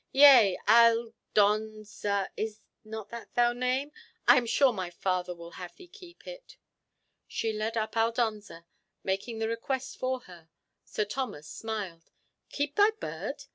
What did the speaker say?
Yea, Al don za—is not that thy name?—I am sure my father will have thee keep it." She led up Aldonza, making the request for her. Sir Thomas smiled. "Keep thy bird?